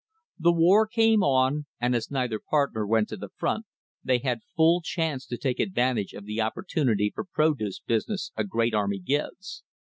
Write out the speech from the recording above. The war came on, and as neither partner went to the front, they had full chance to take advantage of the opportunity for produce business a great army gives.